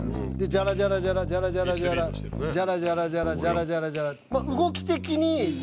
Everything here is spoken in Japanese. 「ジャラジャラジャラジャラジャラジャラ」「ジャラジャラジャラジャラジャラジャラ」まあ動き的に４人だし。